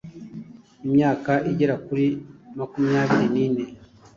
Imyaka igera kuri makumyabiri nine